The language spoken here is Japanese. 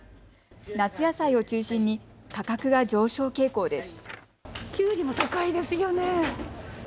夏野菜を中心に価格が上昇傾向です。